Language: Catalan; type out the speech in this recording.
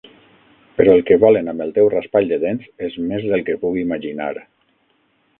Però el que volen amb el teu raspall de dents és més del que puc imaginar.